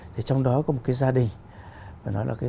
trong đó có một gia đình